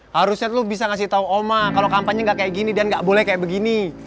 harusnya lu bisa ngasih tau oma kalau kampanye nggak kayak gini dan gak boleh kayak begini